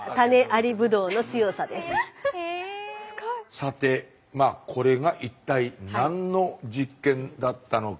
さてこれが一体何の実験だったのか。